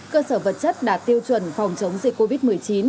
cơ sở vật chất đạt tiêu chuẩn phòng chống dịch covid một mươi chín